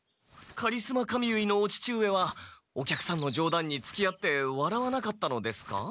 カリスマ髪結いのお父上はお客さんのじょうだんにつきあって笑わなかったのですか？